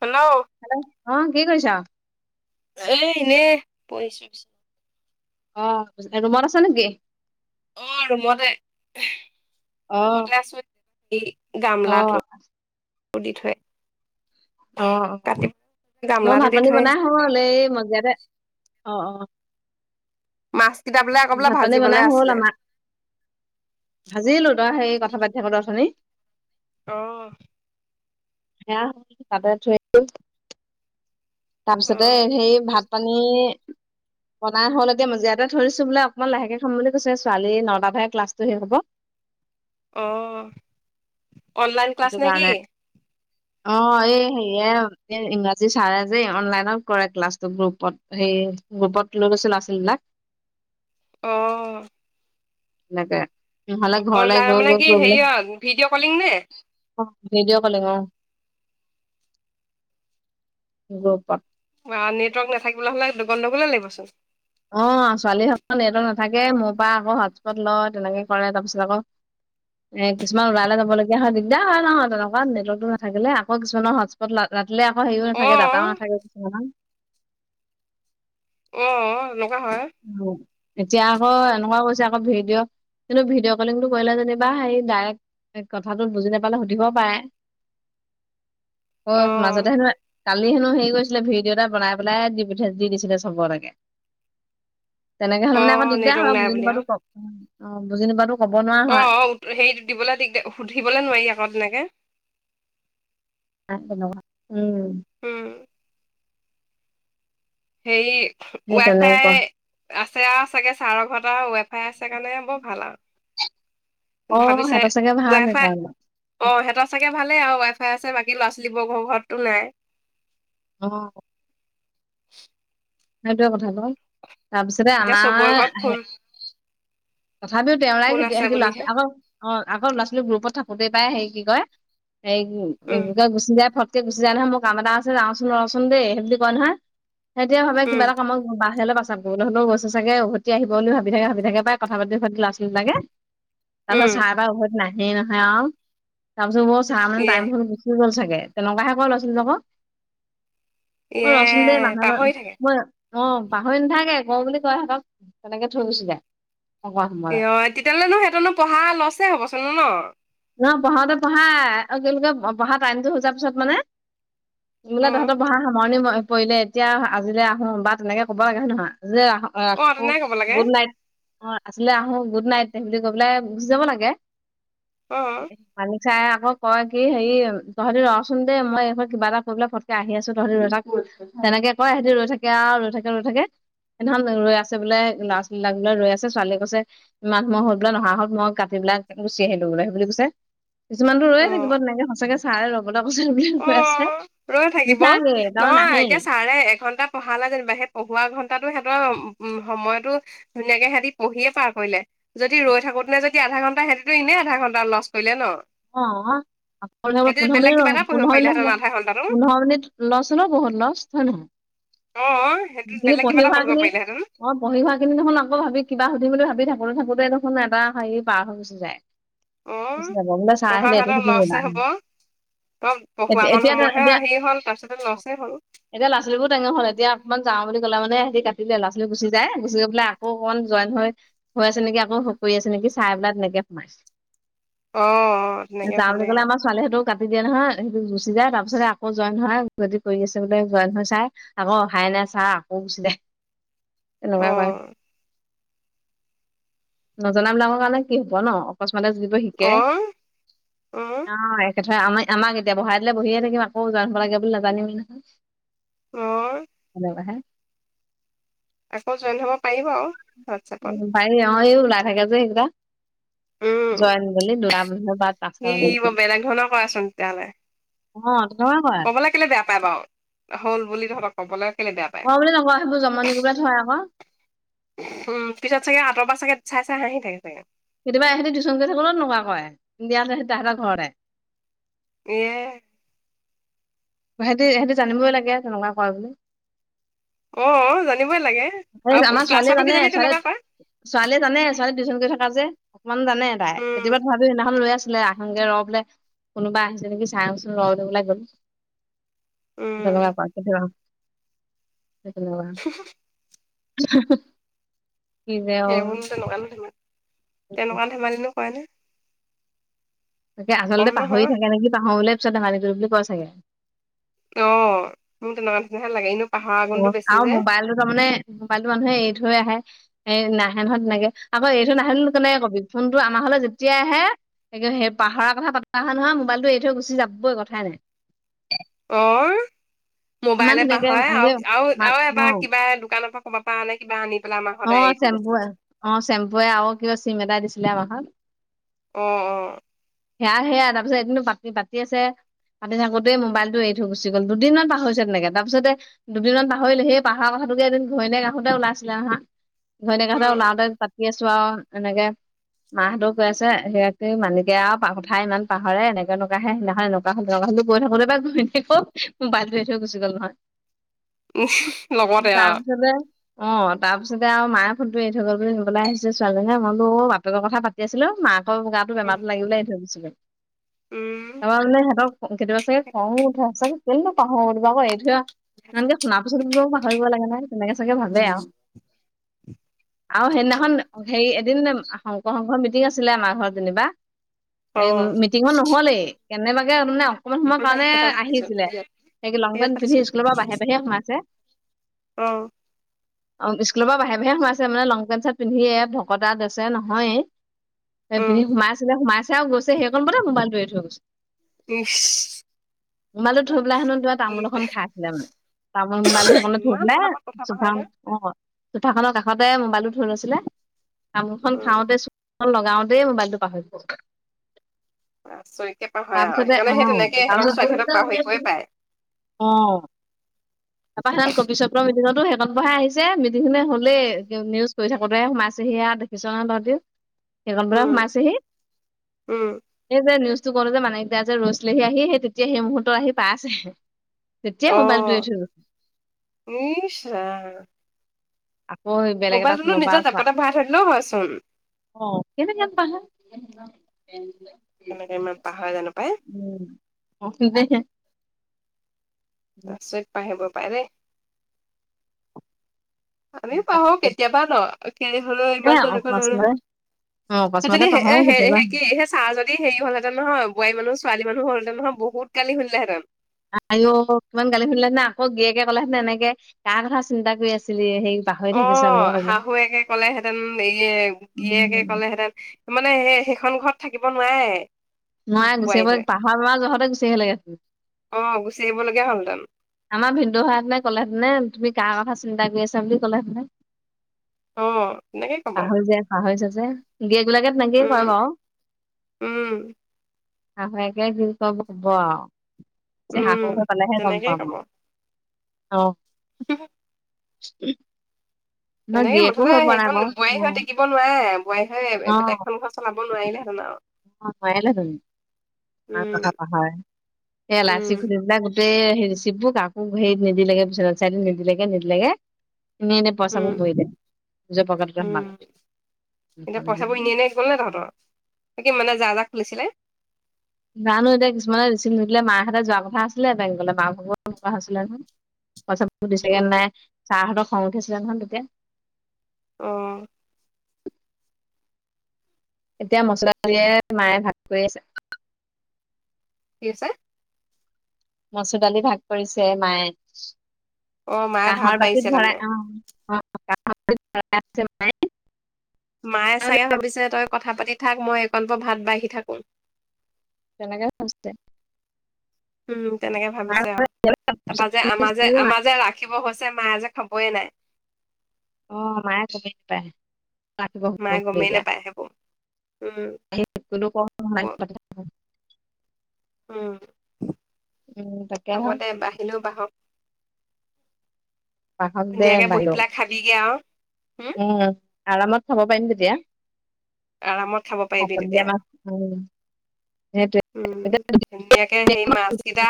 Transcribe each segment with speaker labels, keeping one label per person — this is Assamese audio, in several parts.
Speaker 1: হেল্ল'?
Speaker 2: হেল্ল'? অ কি কৰিছ?
Speaker 1: এ এনে পঢ়িছোঁ পিছে।
Speaker 2: অ ৰুমত আছে নেকি?
Speaker 1: অ ৰুমতে
Speaker 2: অ
Speaker 1: - ৰুমতে আছো এই
Speaker 2: অ
Speaker 1: গামলাটো। কু দি থয়।
Speaker 2: অঁ অঁ, মই
Speaker 1: গামলাটো
Speaker 2: ভাত-
Speaker 1: দি
Speaker 2: পানী
Speaker 1: থৈ
Speaker 2: বনাই
Speaker 1: আহিছো
Speaker 2: হলে এই মজজিয়াতে অঁ অঁ।
Speaker 1: মাছ কেইটাবিলাক
Speaker 2: ভাত - পানী বনাই হ'ল আমাৰ। ভাজিলো তই সেইৰি কথা পাতি থাকোতে অথনি।
Speaker 1: অ।
Speaker 2: সেয়া বাতত থৈ আহিলোঁ।
Speaker 1: অ
Speaker 2: তাৰপিছতে সেই ভাত - পানী বনাই হ'ল এতিয়া মজিয়াতে থৈ দিছোঁ বোলে অকণমান লাহেকে খাম বুলি কৈছে ছোৱালী নটা হে ক্লাছটো শেষ হ'ব।
Speaker 1: অ। অনলাইন ক্লাছ
Speaker 2: সেইটো
Speaker 1: নে কি
Speaker 2: কাৰণে।
Speaker 1: [inaudible]
Speaker 2: অ এই হেৰিয়ে এই ইংৰাজী ছাৰে যে অনলাইনত কৰে ক্লাছটো গ্ৰুপত। সেই গ্ৰোপত লৈ লৈছে ল'ৰা - ছোৱালীবিলাক।
Speaker 1: অ।
Speaker 2: এনেকে। নহ'লে ঘৰলে
Speaker 1: অনলাইন
Speaker 2: গৈ
Speaker 1: মানে
Speaker 2: গৈ
Speaker 1: কি হেৰিয়ত ভিডিঅ' কলিং নে?
Speaker 2: অঁ ভিডঅ কলিং অ, গপ
Speaker 1: বা নেটৱৰ্ক নাথাকিবলৈ হ'লে দ গণ্ডগলে লাগিবচোন।
Speaker 2: অ ছোৱালীসকলৰ নেট নাথাকে, মোৰ পৰা আকৌ হটছত লয় তেনেকে কৰে তাৰপিছত আকৌ এ কিছুমান ওলাইলে যাবলগীয়া হয় দিগদাৰ হয় নহয় তেনেকুৱা নেটৱৰ্কটো নাথাকিলে আকৌ কিছুমানৰ হটছ পট ৰা ৰাতিলে আকৌ হেৰিও
Speaker 1: অ
Speaker 2: নাথাকে দাটাও নাথাকে কিছুমানৰ।
Speaker 1: অঁ লগা হয়।
Speaker 2: উম এতিয়া আকৌ এনেকুৱা কৈছে আকৌ ভিডিঅ কিন্তু ভিডিঅ' কলিংটো কৰিলে যেনিবা হেৰি ডাইৰেক্ট কথাটো বুজি নাপালে সুধিব পাৰে।
Speaker 1: [unintelligible]
Speaker 2: অ মাজতে হেনো কালি হেনো হেৰি কৰিছিলে ভিডিঅ' এটা বনাই পেলাই দিঠ দি দিছিলে চবলৈকে। তেনেকে হ'লে
Speaker 1: অ
Speaker 2: মানে আকৌ দিগদাৰ
Speaker 1: নেটৱৰ্ক
Speaker 2: হয়,
Speaker 1: নাই
Speaker 2: বুজি
Speaker 1: বুলি আৰু
Speaker 2: নোপোৱাটো ক, অ বুজি নুপুৱাটো
Speaker 1: অ অ হেৰি দিবলৈ দিগদাৰ সুধিবলৈ নোৱাৰি আকৌ তেনেকে।
Speaker 2: অ তেনেকুৱা উম।
Speaker 1: উম। সেইৰি,
Speaker 2: সেই
Speaker 1: ৱাই -
Speaker 2: তেনেকুৱা
Speaker 1: ফাই আছে চাগে ছাৰৰ ঘৰটা ৱাই ফাই আছে কাৰণে বৰ ভাল আৰু
Speaker 2: অ
Speaker 1: ভাবিছে
Speaker 2: সিহঁতৰ চাগে ভাল
Speaker 1: ৱাইফাই
Speaker 2: সেইকাৰণে
Speaker 1: অ, সেটা চাগৈ ভালেই আৰু ৱাইফাই আছে বাকী ল'ৰা-ছোৱালীবৰ ঘৰ ঘৰতো নাই।
Speaker 2: অ',
Speaker 1: [inaudible]
Speaker 2: সেইটোয়ে কথাটো তাৰপিছতে
Speaker 1: এতিয়া চবৰে ঘৰত
Speaker 2: আমাৰ
Speaker 1: ফোন
Speaker 2: তথাপিও তেওৰাই
Speaker 1: ফোন
Speaker 2: কেতিয়া
Speaker 1: আছে
Speaker 2: সি
Speaker 1: বুলিহে
Speaker 2: লৰা আকৌ অ, আগৰ ল'ৰা-ছোৱালী গ্ৰুপত থাকোতেই পাই হেৰি কি কয় হেৰি
Speaker 1: উম
Speaker 2: কি কয় গুচি যাই ফ তেতিয়া গুচি যাও নহয় মোৰ কাম এটা আছে যাচোন ৰচোন দেই সেই বুলি কয় নহয়। সেইতিয়া ভাবে কিবা
Speaker 1: উম
Speaker 2: এটা কাম বাহেলৈ পাচাব গোহলেও গৈছো চাগে উভতি আহিব বুলি ভাবি থাকে-ভাবি থাকে বাই কথা পাতি সৈ লৰা-ছোৱালী লাগে তাৰপাছত
Speaker 1: উম
Speaker 2: চাহব উম, নাহে নহয় অ, তাৰপিছত ব চাহ মানে
Speaker 1: ইয়ে
Speaker 2: টাইম সি গ'ল চাগে তেনেুৱাহে ক লৰা-ছোৱালীকক।
Speaker 1: ইয়ে
Speaker 2: অই, ৰচোন দে মানধ
Speaker 1: পাহৰি থাকে
Speaker 2: মই অ, পাহৰি নেথাকে গ বুলি কয় সিহঁতক তেনেকে থৈ গুছি যায়। নকৰা সময়লে
Speaker 1: অ, তেতিয়াহ'লেনো সেইহঁনো পঢ়া লছে হ'বচোন ন'ন
Speaker 2: ন পঢ়াতে বঢ়াকে বঢ়া টাইমতটো সজাৰ পিছত মানে। বোলা
Speaker 1: অ
Speaker 2: তাহাঁতৰ বঢ়াৰ সামৰণি মই পৰিলে এতিয়া আজিলৈ আহো বা তেনেকে ক'ব লাগে হয় নহয় যে আহ অ, আকৌ
Speaker 1: তেনেকে ক'ব লাগে
Speaker 2: গুড নাইট অ, আছিলে আহো গুড নাইট বুলি কৈ পেলাই গুচি যাব লাগে।
Speaker 1: অ',
Speaker 2: মালি চাই আকৌ কয়, কি হেৰি তহঁতি ৰচোন দেই মই এইখন কিবা এটা কৰি পেলাই ফটকে আহি আছো তহঁতিৰ ৰৈ থাক। তেনেকে কয় সিহঁতি ৰৈ থাকে আৰু ৰৈ থাকে-ৰৈ থাকে। এনেহ ৰৈ আছে বোলে ল'ৰা-ছোৱালীলাক ৰৈ আছে ছোৱালীয়ে কৈছে। মমান মত বোলে নহা হ'ত মই কাটিলোঁ গুচি আহিলো। বুলি কৈছে কিছুমানতো ৰৈয়ে
Speaker 1: অ
Speaker 2: থাকিব তেনেকে সঁচাকে চাই ৰব। ল [unintelligible] পচন্দ বুলি কৈ আছে
Speaker 1: অ',
Speaker 2: মিছাগে তাৰ নাহেই।
Speaker 1: আৰে এঘন্টা পঢ়ালা যেনিবা সেই পঢ়া ঘন্টাতো সিহঁতৰ উম, সময়তো ধুনীয়াকে সিহঁতি পঢিয়ে পাৰ কৰিলে। যদি ৰৈ থাকোতে নে যদি আধা ঘণ্টা সিহঁতেতো ইনে আধা ঘণ্টা লছ কৰিলে ন।
Speaker 2: অ, আপ য
Speaker 1: সিহঁতি
Speaker 2: পুনৰ
Speaker 1: বেলেগ
Speaker 2: ম।
Speaker 1: কিবা এটা
Speaker 2: [unintelligible]
Speaker 1: পঢ়িব
Speaker 2: পোন্ধৰ
Speaker 1: পাৰিলেহেঁতেন আধা ঘণ্টাটো।
Speaker 2: মিনিট-পোন্ধৰ মিনিট লছ হলো বহুত লছ হয় নহয়।
Speaker 1: অ, সেইটোত
Speaker 2: সেইখিনি
Speaker 1: বেলেগ কিবা
Speaker 2: পঢ়ি
Speaker 1: এটা
Speaker 2: হোৱা
Speaker 1: পঢ়িব
Speaker 2: খিনি
Speaker 1: পাৰিলে সেঁতেন।
Speaker 2: অ, পঢ়ি খোৱা খিনি দেখোন আকৌ ভাবি কিবা সুধিম বুলি ভাবি থাকোতে থাকোতে দেখোন এটা হেৰি পাৰ হৈ গুছি যায়।
Speaker 1: অ',
Speaker 2: বোলে চাহ আহিলে এইটো সেইটো নিবা।
Speaker 1: তম পঢ়ুৱা অকন সময়হে হেৰি হ'ল তাৰপিছতে লছে হ'ল।
Speaker 2: এতিয়া লৰা-ছোৱালীবোৰো টেঙৰ হ'ল এতিয়া অকমান যাও বুলি কলে মানে হেতি কাটি দিয়ে ল'ৰা-ছোৱালী গুচি যায় গুচি গৈ পেলাই। আকৌ অন জইন হৈ-হৈ আছে নেকি আকৌ স কৰি আছে নেকি চাই পেলাই তেনেকে সোমাইছে।
Speaker 1: অ', তেনেকে
Speaker 2: যাও বুলি
Speaker 1: ভালেই।
Speaker 2: গ'লে আমাৰ ছোৱালী সেইটো কাটি দিয়ে নহয় সেইটো গুচি যায় তাৰ পিছতে আকৌ জইন হয় যদি কৰি আছে বোলে জইন হৈ চাই। আকৌ আহাই নাই, চাৰ আকৌ গুচে এনেকুৱা কৰে।
Speaker 1: অ',
Speaker 2: নজনাবিলাকৰ কাৰণে কি হব ন, অকস্মাতে যিবোৰ শিকে
Speaker 1: অ, উম,
Speaker 2: অ, একেথাই আমাৰ আমাক এতিয়া বহাই দে বহিয়ে থাকিম আকৌ জৈন হব লাগে বুলি নাজানিমেই নহয়।
Speaker 1: অ',
Speaker 2: হ'লে মেনে। [unintelligible]
Speaker 1: আকৌ জইন হব পাৰিব আৰু হোৱাটছপত।
Speaker 2: পাই অ, এই ওলাই থাকে যে সেইকেইটা।
Speaker 1: [inaudible]
Speaker 2: জইন বুলি দুটা মানে বা
Speaker 1: সি
Speaker 2: পাঁচটা মান।
Speaker 1: বৰ বেলেগ ধৰণৰ কৰাচোন তেতিয়াহ'লে
Speaker 2: অ তেনেকে কয়।
Speaker 1: কবলৈ কেলে বেয়া পায় বাৰু হ'ল বুলি তহতক কবলৈ কেলে বেয়া পায়।
Speaker 2: অ বুলি নকওঁ সেইবোৰ জম নি কৰিবলে থয় আক।
Speaker 1: উম পিছত চাগে আঁতৰ পৰা চাগে চাই চাই হাঁহি থাকে চাগে।
Speaker 2: কেতিয়া এহেতিটিউশন কৰি থাকোতেও তেনকোৱা কয় তেহেতৰ ঘৰতে।
Speaker 1: এয়ে।
Speaker 2: সেতি সেহেটি জানিবই লাগে তেনেকুৱা কয় বুলি।
Speaker 1: অ জানিবই লাগে
Speaker 2: এই
Speaker 1: আৰু
Speaker 2: আমাৰ ছোৱালীয়ে
Speaker 1: ক্লাছতো
Speaker 2: জানে
Speaker 1: কিজানি
Speaker 2: ছোৱালী
Speaker 1: তেনেকুৱা কয়।
Speaker 2: ছোৱালীয়ে জানে ছোৱালী টিউশন থকা যে অকমান জানে তাই
Speaker 1: উম।
Speaker 2: কেতিয়াবা ধৰা সদিনাখন লৈ আছিলে আহ। সগে ৰ বোলে কোনোবা আহিছে নেকি চাওঁচোন ৰ দিবলে গ'ল।
Speaker 1: উম,
Speaker 2: [unintelligible] কি যে অ
Speaker 1: সেইবোৰনো তেনেকুৱানো ধেমাল তেনেকুৱা ধেমালিনো কয় নে।
Speaker 2: তাকে আচলতে
Speaker 1: কম
Speaker 2: পাহৰি
Speaker 1: নহয়
Speaker 2: থাকে নেকি পাহৰিবলে পিত ধেমালি কৰি বুলি কয় চাগে।
Speaker 1: অ মোৰ তেনেকুৱা নিচিনা লাগে এনো।
Speaker 2: অ আৰু মোবাইলটো তাৰমানে মোবাইলটো মানুহে এৰি থৈ আহে। এই নাহে নহয় তেনেকে আকৌ এইটো নাহিলণে কবি ফোনটো আমাৰ ঘৰলে যেতিয়াই আহে। ত সেই পাহৰাৰ কথা পাতা হয় নহয় মোবাইলটো এৰি থৈ গুচি যাবই কথাই নাই।
Speaker 1: [inaudible] অ
Speaker 2: ইমান
Speaker 1: মোবাইলে
Speaker 2: ধুনীয়াকে
Speaker 1: পাহৰি
Speaker 2: আজি
Speaker 1: আৰু আৰু
Speaker 2: মা-
Speaker 1: আৰু
Speaker 2: অ
Speaker 1: এবাৰ কিবা দোকানৰ পৰা, কৰব পৰা আনে কিবা আনি পেলাই আম
Speaker 2: অ
Speaker 1: ঘৰতে এৰি থৈ
Speaker 2: চেম্পু
Speaker 1: গৈছে।
Speaker 2: অ চেম্পুে আৰু কিবা চিম এটা দিছিলে আমাৰ ঘৰত।
Speaker 1: অ অ।
Speaker 2: সেয়া সেয়া তাৰপিছতদিনো পাতি পাতি আছে। পাতি থাকোতে মোবাইলটো এৰি গুচি গ'ল দুদিনমান পাহৰি হৈছে তেনেকে তাৰপিছতে। দুদিনমান পাহৰিলে সেই পাহাৰ কথাটোকে এদিন ঘৈণীয়েক আহোতে ওলাইছিলে নহয়। ঘৈনীয়েক আহোতে
Speaker 1: উম।
Speaker 2: ওলাওঁতে পাতি আছো আৰু এনেকে। মাহঁতৰ কৈ আছে সি মানিকে আৰু কঠাই ইমান পাহৰে এনেকে নকাহে সেইদিনা। গৈ থাকো বা গৈ থাকো মোবাইলটো এৰি থৈ গুচি গ'ল নহয়।
Speaker 1: লগতে আও।
Speaker 2: তাৰপিছতে অ তাৰপিছত, আৰু মায়ে ফোনটো এৰি থৈ গল বুলি নিবলৈ আহিছে ছোৱালীজনীয়ে মই বোলো বাপেকৰ কথা পাতি আছিলো মাকৰ গাত
Speaker 1: উম,
Speaker 2: বেমাৰত লাগিব ল আহি থৈ গৈছিলে
Speaker 1: উম
Speaker 2: তোমাৰ মানে সিহঁতক কেতিয়াবা চাগে খঙো উঠে আছে। কেলেইনো পাহৰো আকৌ এই থে আৰু এনেকে শুনা পিছতো পাহৰিব লাগে নে তেনেকে চাগে ভাবে আৰু আৰু সেইদিনাখন হেৰি এদিন শংকৰ শংঘৰ মিটিং আছিলে আমাৰ ঘৰত যেনিবা।
Speaker 1: অ
Speaker 2: এই মিটিঙত নহল কেনেবাকে মানে, অকণমান সময়ৰ
Speaker 1: ঢকুলবাহী
Speaker 2: কাৰণে
Speaker 1: কথা পাতিছো
Speaker 2: আহিছিলে
Speaker 1: সেয়াত
Speaker 2: সি লং
Speaker 1: সেয়াত
Speaker 2: পেন্ট
Speaker 1: পাতিছো
Speaker 2: পিন্ধি স্কুলৰ পৰা বাহিৰে বাহিৰে সোমাইছে।
Speaker 1: অ,
Speaker 2: অ স্কুলৰ পৰা বাহিৰে বাহিৰে সোমাইছে মানে লং পেণ্ট চাৰ্ট পিন্ধিয়ে ভকত ড্ৰেছে নহয়। এই
Speaker 1: অ
Speaker 2: পিধ সমাইছিল সোমাইছে আৰু গৈছে সেই কণ বলে মোবাইলটো এৰি থৈ গৈছে।
Speaker 1: ইছ
Speaker 2: মোবাইল টো থৈ পেলাই হেনো তামোল
Speaker 1: যে
Speaker 2: এখন খাইছিলে মানে। তামোল মোবাইল টো সেইফালে থৈ
Speaker 1: ইমান
Speaker 2: পেলাই।
Speaker 1: পতাপত কথা পাহৰে নে
Speaker 2: অ চোফা খনৰ কাষতে মোবাইলটো থৈ লৈছিলে তামোলখন
Speaker 1: উম
Speaker 2: খাওঁতে, লগাওঁতেই মোবাইলটো পাহৰি গ'ল।
Speaker 1: আচৰিতকে পাহৰে আও
Speaker 2: তাৰপিছতে
Speaker 1: সেইকাৰণে সেই
Speaker 2: আহ
Speaker 1: তেনেকে সিহঁতক ছোৱালীহঁতক পাহৰিবই
Speaker 2: তাৰপিছত,
Speaker 1: পায়
Speaker 2: অ তাৰাপা সিদিন কবি চ্বপ্ৰৰ মিউজতো শেষত বহাই আহিছে, মিটিংখনে হ'লেই নিউজ কৰি থাকোতে সোমাইছে সিয়য়া দেখিছ নহয় তহতি। সেইখন
Speaker 1: উম
Speaker 2: সোমাইছেহি।
Speaker 1: উম
Speaker 2: এই যে নিউজটো কলো যে মানিক দা যে ৰৈছিলেহি আহি সেই তেতিয়া সেইমোহুত আহি পাই আছেহি।
Speaker 1: অ ইছ ৰাম।
Speaker 2: আকৌ বেলেগ এটা
Speaker 1: মোবাইলটোনো
Speaker 2: ফোনৰ পৰা
Speaker 1: নিজৰ
Speaker 2: চোৱা।
Speaker 1: জাপতে ভৰাই থৈ দিলেও হয়চোন
Speaker 2: অ, কেনেকে পাহা [unintelligible]
Speaker 1: কেনেকে মই পাহৰা জানো পাই।
Speaker 2: উম, [unintelligible]
Speaker 1: আচৰিত পাহেব পাৰে দে। আমি পাহো কেতিয়াবা
Speaker 2: এ
Speaker 1: ন'
Speaker 2: অকস্মাতে
Speaker 1: [unintelligible]
Speaker 2: অ অকস্মাতে
Speaker 1: সিজনি হে এ
Speaker 2: পাহৰো
Speaker 1: হে- এ
Speaker 2: কেতিয়াবা
Speaker 1: হে কি [unintelligible] তাৰ যদি হেৰি হলহেঁতেন নহয় বোৱাৰী মানুহ ছোৱালী মানুহ হল হেতেন নহয় বহুত গালি শুনিলে হেঁতেন।
Speaker 2: আইয় ইমান গালি শুনিলে জানা আকৌ গিয়েকে ক'লে হেতেন এনেকে কা কথা চিন্তা কৰি আছিলি হেই
Speaker 1: অ, শাহুৱেকে ক'লেহেঁতেন ইয়ে গীয়েকে
Speaker 2: উম,
Speaker 1: ক'লেহেঁতেন মানে হে সেইখন ঘৰত থাকিব নোৱাৰে?
Speaker 2: নোৱায়ে গুচি
Speaker 1: বোৱাৰী হৈ।
Speaker 2: আহিব পাহৰাৰ ল'ৰাৰ যহতে গুচি আহিলে [unintelligible]
Speaker 1: অ, গুচি আহিব লগীয়া হ'লহেতেন।
Speaker 2: আমাৰ ভিনদেউ হোৱা হেঁতেনে ক'লেহেতেনে এ তুমি কাৰ কথা চিন্তা কৰি আছা বুলি ক'লেহেঁতেন।
Speaker 1: অ' তেনেকে ক'ব।
Speaker 2: পাহৰি যায় -পাহৰি যায় যে। গীৰিয়েক বিলাকে তেনেকেইে
Speaker 1: উম,
Speaker 2: কৰে বাৰু।
Speaker 1: উম,
Speaker 2: শাহুয়েকে একে কি কব -কব আও, যে
Speaker 1: উম,
Speaker 2: শাহু ঘৰ পালেহে গম
Speaker 1: তেনেকেই
Speaker 2: পাম।
Speaker 1: ক'ব।
Speaker 2: অ',
Speaker 1: [unintelligible]
Speaker 2: [unintelligible] নহয়
Speaker 1: তেনেকে
Speaker 2: গিৰিয়েকো
Speaker 1: মুঠতে
Speaker 2: হৈ পোৱা নাই
Speaker 1: সেইখন
Speaker 2: বাৰু
Speaker 1: বোৱাৰী হৈ
Speaker 2: অ',
Speaker 1: টিকিব নোৱাৰে। বোৱাই হয় বেলেগখন ঘৰ চলাব নোৱাৰিলেহেঁতেন আৰু।
Speaker 2: অ, ভয়ে লাগে মোৰ। অ, কথা
Speaker 1: উম,
Speaker 2: পাহৰে এ
Speaker 1: উম,
Speaker 2: এলাইচি ঘূলি পেলাই [unintelligible] গোটেই হে ৰিচিপ বোৰ কাকো হেৰীত নিদিলেগে [unintelligible] নিদিলেগে- নিদিলেগে। এনে -এনে
Speaker 1: উম,
Speaker 2: পইচাবোৰ ভৰিলে নিজৰ পকেটতে
Speaker 1: উম,
Speaker 2: সোমাল।
Speaker 1: এতিয়া পইচাবোৰ এনে এনেই গ'ল নে তহঁতৰ এই কি মানে যাহ -যাহ খুলিছিলে?
Speaker 2: জানো এতিয়া কিছুমানে ৰচিপ নিদিলে মাইহঁতে যোৱা কথা আছিলে [unintelligible] মা ভাগ তেনেকুৱা হৈছিলে নহয়। পইছা
Speaker 1: অ
Speaker 2: [unintelligible] নাই ছাৰহঁতৰ খং উঠিছিলে নহয় তেতিয়া।
Speaker 1: উম,
Speaker 2: এতিয়া মচুৰ দালি উলিয়াই মায়ে ভাগ কৰি আছে।
Speaker 1: কি হৈছে?
Speaker 2: মচুৰ দালি ভাগ কৰিছে মায়ে
Speaker 1: অ মায়ে ভাত
Speaker 2: কাহৰ
Speaker 1: বাঢ়িছে
Speaker 2: বাতিত
Speaker 1: তাৰমানে
Speaker 2: ভৰাই অহ। [unintelligible]
Speaker 1: মায়ে চাগে ভাবিছে তই কথা পাতি থাক মই এইকণ পা ভাত বাঢ়ি থাকো।
Speaker 2: তেনেকে [unintelligible]
Speaker 1: উম, তেনেকে ভাবিছে আও তাৰপা যে আমাৰ যে আমাৰ যে ৰাখিব হৈছে মায়ে যে খাবয়ে নাই।
Speaker 2: অ, মায়ে গমেই নাপায় ৰাখিব হব
Speaker 1: মায়ে
Speaker 2: বুলি
Speaker 1: গমেই
Speaker 2: এতিয়া।
Speaker 1: নাপায় সেইবোৰ উম
Speaker 2: [unintelligible]
Speaker 1: উম,
Speaker 2: উম তাকে হ
Speaker 1: হব দে বাহিলেও বাহক।
Speaker 2: বাহক দে
Speaker 1: ধুনীয়াকে বহি
Speaker 2: বাহিৰও
Speaker 1: পেলাই খাবিগে আও
Speaker 2: উম, আৰামত খাব পাৰিম তেতিয়া।
Speaker 1: আৰামত খাব পাৰিবি
Speaker 2: ভাপত দিয়া
Speaker 1: তেতিয়া
Speaker 2: মাছ উম,
Speaker 1: উম, ধুনীয়াকে সেই
Speaker 2: সেইটোৱে
Speaker 1: মাছ কেইটা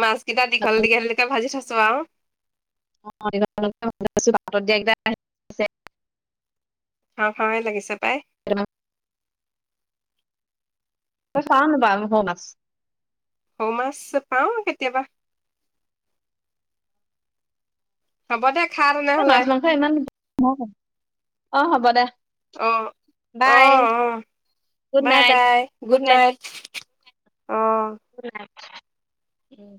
Speaker 1: মাছ কেইটা দীঘল -দীঘল ভাজি থৈছো আওঁ।
Speaker 2: অ, দীঘল - দীঘল [unintelligible]
Speaker 1: খাওঁ-খাওঁৱে লাগিছে পাই।
Speaker 2: [unintelligible] তই চা নাপা মুক মাছ।
Speaker 1: সৌ মাছ পাওঁ কেতিয়াবা। হ'ব দে খা তেনেহলে।
Speaker 2: এ ইমান অ, অ হ'ব দে।
Speaker 1: অ অ
Speaker 2: বাই
Speaker 1: অ। বাই বাই গুড নাইট অ।
Speaker 2: গুড নাইট, উম।